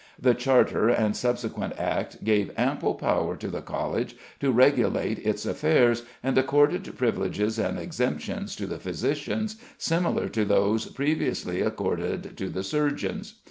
The charter and subsequent Act gave ample power to the College to regulate its affairs, and accorded privileges and exemptions to the physicians similar to those previously accorded to the surgeons.